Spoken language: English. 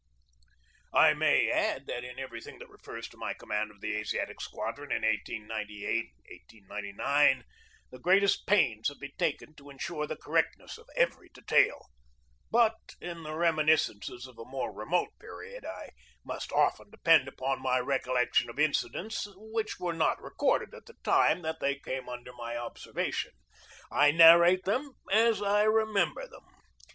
I may add that in everything that refers to my command of the Asiatic Squadron in 1898 9 the greatest pains have been taken to insure the correct ness of every detail; but in the reminiscences of a Vlll PREFACE more remote period I must often depend upon my recollection of incidents which were not recorded at the time that they came under my observation. I narrate them as I remember them.